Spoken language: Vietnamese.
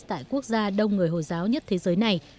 tại quốc gia đông người hồi giáo nhất thế giới này